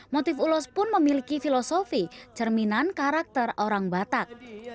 motif ulos pun memiliki filosofi cerminan karakter orang batak